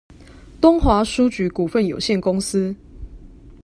東華書局股份有限公司